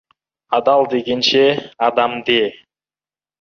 Адал дегенше, адам де.